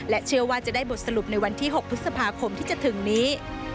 เชื่อว่าจะได้บทสรุปในวันที่๖พฤษภาคมที่จะถึงนี้